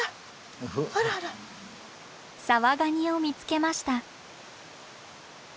サワガニを見つけました。